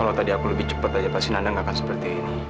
kalau tadi aku lebih cepat aja pasti nandang nggak akan seperti ini